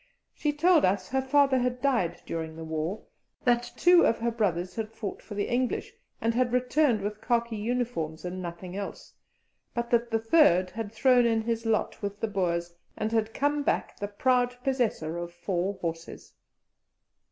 She told us her father had died during the war, that two of her brothers had fought for the English, and had returned with khaki uniforms and nothing else, but that the third had thrown in his lot with the Boers, and had come back the proud possessor of four horses.